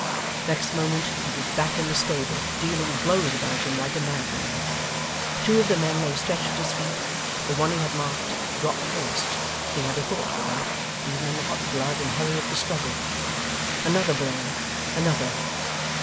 Next moment he was back in the stable, dealing blows about him like a madman. Two of the men lay stretched at his feet: the one he had marked, dropped first he had a thought for that, even in the hot blood and hurry of the struggle. Another blow another!